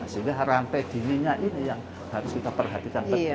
sehingga rantai dinginnya ini yang harus kita perhatikan betul